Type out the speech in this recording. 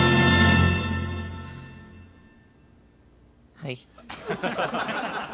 はい。